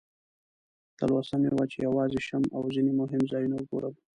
تلوسه مې وه چې یوازې شم او ځینې مهم ځایونه وګورم.